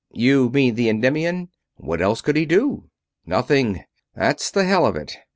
"You mean the Endymion? What else could he do?" "Nothing that's the hell of it.